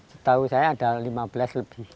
setahu saya ada lima belas lebih